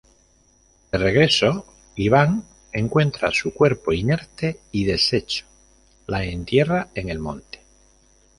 De regreso, Iván encuentra su cuerpo inerte y, deshecho, la entierra en el monte.